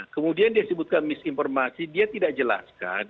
kemudian dia sebutkan misinformasi dia tidak jelaskan